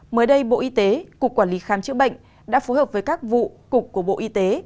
mới đây bộ y tế cục quản lý khám chữa bệnh đã phối hợp với các vụ cục của bộ y tế